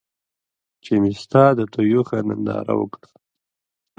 چې مې ستا د تېو ښه ننداره وکــړه